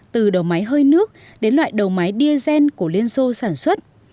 từ đầu máy hơi nước đến loại đầu máy diesel của lenso sản xuất